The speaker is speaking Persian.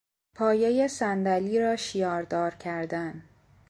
پایهی صندلی را شیاردار کردن